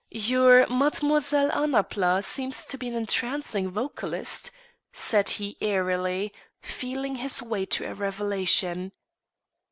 "Your Mademoiselle Annapla seems to be an entrancing vocalist," said he airily, feeling his way to a revelation.